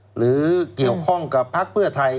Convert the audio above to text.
หรือเกี่ยวข้องกับพักเพื่อไทย